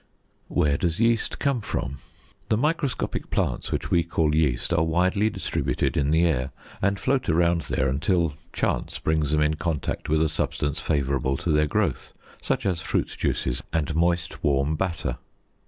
216. Where does Yeast come From? The microscopic plants which we call yeast are widely distributed in the air, and float around there until chance brings them in contact with a substance favorable to their growth, such as fruit juices and moist warm batter.